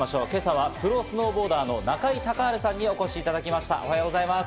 今朝はプロスノーボーダーの中井孝治さんにお越しいただきました。